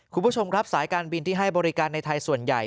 คุณผู้ชมครับสายการบินที่ให้บริการในไทยส่วนใหญ่